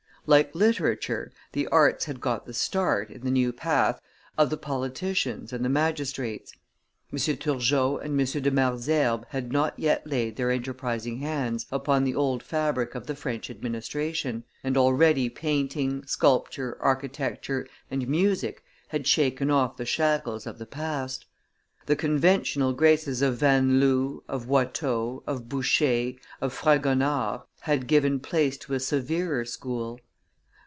Like literature, the arts had got the start, in the new path, of the politicians and the magistrates. M. Turgot and M. de Malesherbes had not yet laid their enterprising hands upon the old fabric of French administration, and already painting, sculpture, architecture, and music had shaken off the shackles of the past. The conventional graces of Vanloo, of Watteau, of Boucher, of Fragonard, had given place to a severer school.